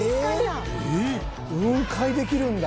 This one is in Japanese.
雲海できるんだ。